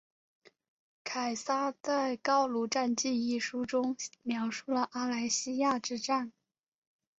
凯撒在高卢战记一书中描述了阿莱西亚之战。